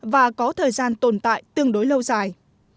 và có thời gian tồn tại tương đối lâu dài